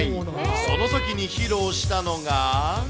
そのときに披露したのが。